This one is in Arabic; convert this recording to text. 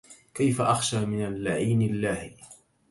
كيف أخشى من اللعين اللاهي